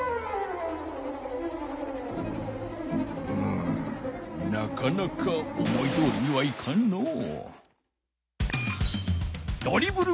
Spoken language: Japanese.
むうなかなか思いどおりにはいかんのう。